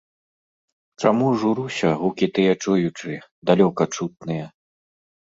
Чаму журуся, гукі тыя чуючы, далёка чутныя?